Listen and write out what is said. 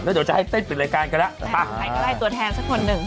สตัวแทนสักคนหนึ่ง